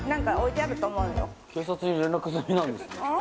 警察に連絡済みなんですね。